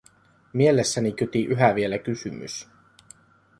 Mielessäni kyti yhä vielä kysymys: